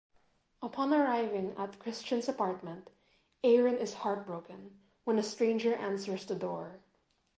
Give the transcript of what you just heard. Upon arriving at Christian's apartment, Aaron is heartbroken when a stranger answers the door.